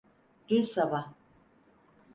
Dün sabah.